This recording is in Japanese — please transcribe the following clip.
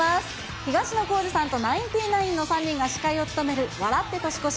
東野幸治さんとナインティナインの３人が司会を務める笑って年越し！